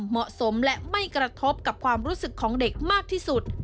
เหมาะสมและไม่กระทบกับความรู้สึกของเด็กมากที่สุด